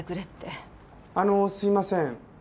あのすいません。